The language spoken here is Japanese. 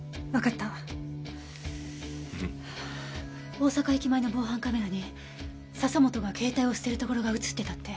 大阪駅前の防犯カメラに笹本が携帯を捨てるところが映ってたって。